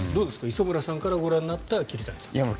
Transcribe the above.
磯村さんからご覧になった桐谷さん。